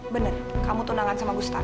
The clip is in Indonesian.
bener kamu tunangan sama ustadz